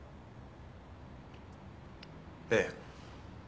ええ。